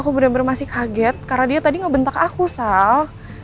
aku bener bener masih kaget karena dia tadi ngebentak aku sal